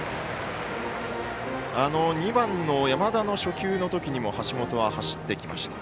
２番の山田の初球の時にも橋本は走ってきました。